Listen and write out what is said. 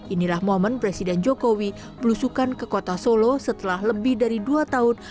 inilah momen presiden jokowi belusukan ke kota solo setelah lebih dari dua tahun